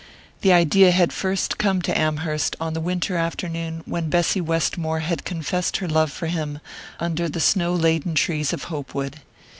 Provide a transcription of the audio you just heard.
The idea had first come to Amherst on the winter afternoon when Bessy Westmore had confessed her love for him under the snow laden trees of Hopewood.